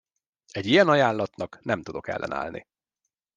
Egy ilyen ajánlatnak nem tudok ellenállni.